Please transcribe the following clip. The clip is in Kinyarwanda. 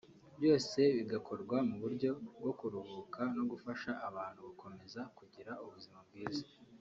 byose bigakorwa mu buryo bwo kuruhuka no gufasha abantu gukomeza kugira ubuzima bwiza